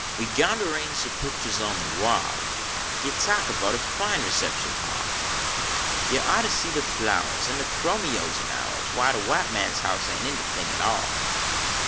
We sgwine ter range de pictures on de wall Yo talk about a fine reception hall Yo ought to see de flowahs, Kn de chromios in ours, \\"y de white man s house ain" in de thing at all.